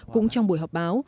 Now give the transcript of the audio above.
cũng trong buổi họp báo